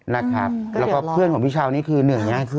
แล้วก็เพื่อนของพี่เช้านี่คือเหนื่อยง่ายขึ้น